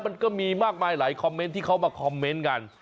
มันก็มีมากมายหลายคอมเมนต์ที่เขามาคอมเมนต์กัน